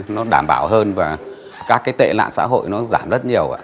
nó đảm bảo hơn và các tệ lạng xã hội nó giảm rất nhiều